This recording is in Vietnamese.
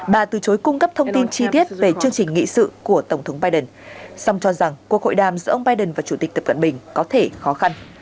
bà từ chối cung cấp thông tin chi tiết về chương trình nghị sự của tổng thống biden song cho rằng cuộc hội đàm giữa ông biden và chủ tịch tập cận bình có thể khó khăn